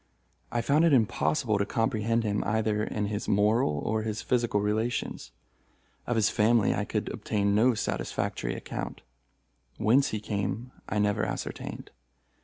I found it impossible to comprehend him either in his moral or his physical relations. Of his family I could obtain no satisfactory account. Whence he came, I never ascertained.